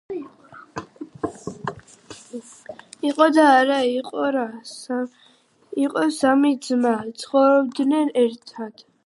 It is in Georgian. ადმინისტრაციულად მოქცეულია არჯეშის ჟუდეცის ტერიტორიაზე.